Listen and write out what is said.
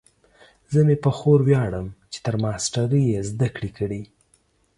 زه مې په خور ویاړم چې تر ماسټرۍ یې زده کړې کړي